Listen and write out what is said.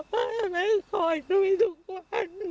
แล้วก็ยัดลงถังสีฟ้าขนาด๒๐๐ลิตร